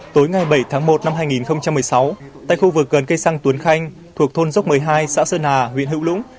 tối ngày bảy tháng một năm hai nghìn một mươi sáu tại khu vực gần cây xăng tuấn khanh thuộc thôn dốc một mươi hai xã sơn hà huyện hữu lũng